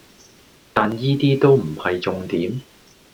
但依啲都唔係重點